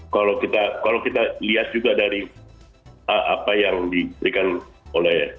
kalau kita lihat juga dari apa yang diberikan oleh